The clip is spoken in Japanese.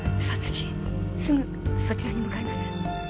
すぐそちらに向かいます。